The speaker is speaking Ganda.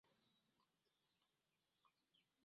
Waliwo mu nsi abantu nga tebategeerekeka.